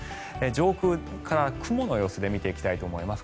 上空から雲の様子で見ていきたいと思います。